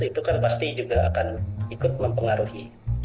itu kan pasti juga akan ikut mempengaruhi